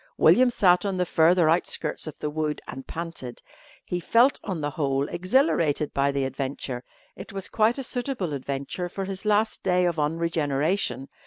William sat on the further outskirts of the wood and panted. He felt on the whole exhilarated by the adventure. It was quite a suitable adventure for his last day of unregeneration.